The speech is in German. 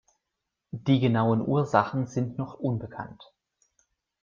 Die genauen Ursachen sind noch unbekannt.